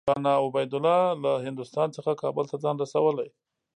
مولنا عبیدالله له هندوستان څخه کابل ته ځان رسولی.